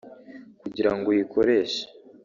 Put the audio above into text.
Kugira ngo uyikoreshe